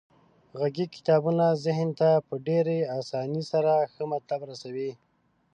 غږیز کتابونه ذهن ته په ډیرې اسانۍ سره ښه مطلب رسوي.